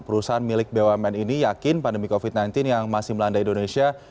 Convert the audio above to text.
perusahaan milik bumn ini yakin pandemi covid sembilan belas yang masih melanda indonesia